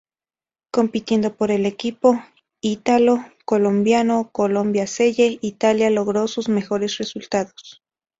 Compitiendo por el equipo ítalo-colombiano Colombia-Selle Italia logró sus mejores resultados.